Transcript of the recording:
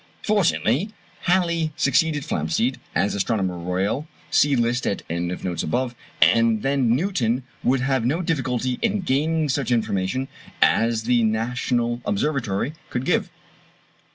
Fortunately, Halley succeeded Flamsteed as Astronomer Royal [see list at end of notes above], and then Newton would have no difficulty in gaining such information as the national Observatory could give.